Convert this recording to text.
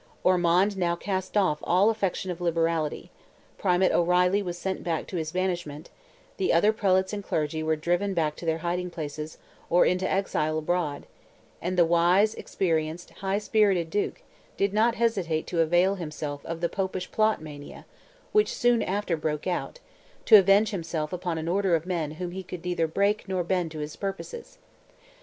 Ormond now cast off all affectation of liberality; Primate O'Reilly was sent back to his banishment, the other prelates and clergy were driven back to their hiding places, or into exile abroad, and the wise, experienced, high spirited duke, did not hesitate to avail himself of "the Popish plot" mania, which soon after broke out, to avenge himself upon an order of men whom he could neither break nor bend to his purposes!